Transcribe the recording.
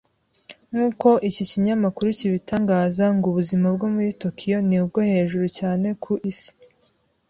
Nk’uko iki kinyamakuru kibitangaza ngo ubuzima bwo muri Tokiyo ni bwo hejuru cyane ku isi